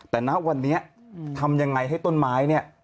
แต่ณวันนี้ทำยังไงให้ต้นไม้เนี่ย